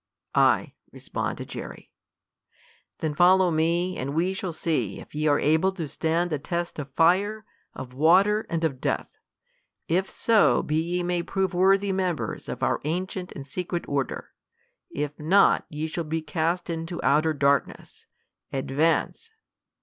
"Aye," responded Jerry. "Then follow me and we shall see if ye are able to stand the test of fire, of water, and of death. If so be ye may prove worthy members of our ancient and secret order. If not ye shall be cast into outer darkness. Advance!"